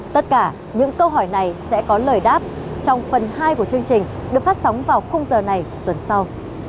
tất cả những câu hỏi này sẽ có lời đáp trong phần hai của chương trình được phát sóng vào khung giờ này tuần sau